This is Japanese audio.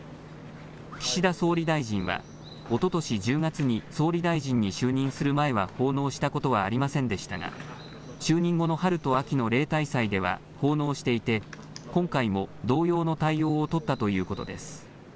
岸田総理大臣はおととし１０月に総理大臣に就任する前は奉納したことはありませんでしたが就任後の春と秋の例大祭では奉納していて今回も同様の対応を取ったということです。